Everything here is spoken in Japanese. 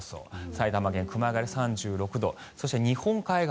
埼玉県熊谷で３６度そして日本海側